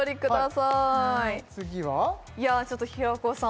いやちょっと平子さん